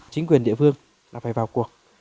chính quyền địa phương là phải vào cuộc